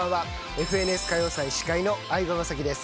『ＦＮＳ歌謡祭』司会の相葉雅紀です。